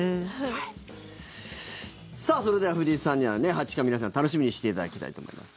それでは藤井さんには八冠皆さん楽しみにしていただきたいと思います。